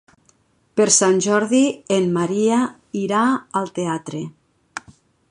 Per Sant Jordi en Maria irà al teatre.